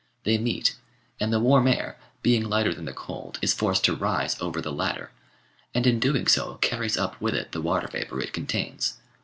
They meet, and the warm air, being lighter than the cold, is forced to rise over the latter, and in doing so carries up with it the water vapour it contains.